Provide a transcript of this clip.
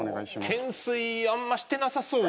懸垂あんましてなさそう。